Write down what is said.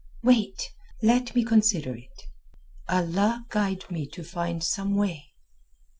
"Wait! Let me consider it. Allah guide me to find some way!"